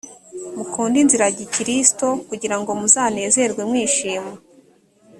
mukunde inzira ya kristo kugira ngo muzanezerwe mwishima